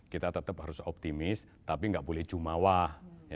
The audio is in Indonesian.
kita tetap harus optimis tapi nggak boleh jumawah